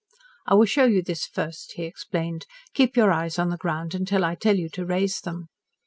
"I will show you this first," he explained. "Keep your eyes on the ground until I tell you to raise them."